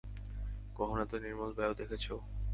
কখনও এত নির্মল বায়ু দেখেছ?